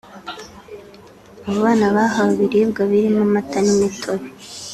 Abo bana bahawe ibiribwa birimo amata n’imitobe